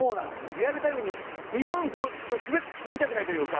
リアルタイムに日本同時スベりたくないというか。